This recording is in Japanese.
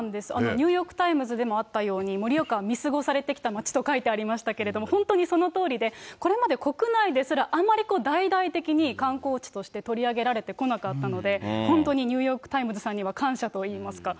ニューヨーク・タイムズでもあったように、盛岡は見過ごされてきた街と書いてありましたけれども、本当にそのとおりで、これまで国内ですら、あまり大々的に観光地として取り上げられてこなかったので、本当にニューヨーク・タイムズさんには感謝といいますか。